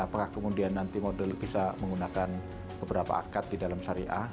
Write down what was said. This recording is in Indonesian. apakah kemudian nanti model bisa menggunakan beberapa akad di dalam syariah